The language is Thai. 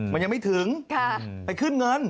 มันยังไม่ถึงไปขึ้นเงิน